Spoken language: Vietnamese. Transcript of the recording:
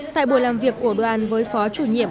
tại buổi làm việc của đoàn với phó chủ nhiệm